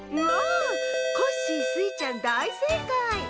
コッシースイちゃんだいせいかい！